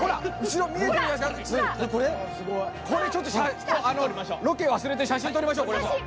これちょっとロケ忘れて写真撮りましょうこれもう。